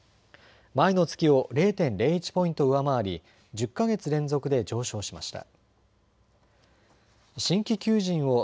前の月を０．０１ポイント上回り１０か月連続で上昇しました。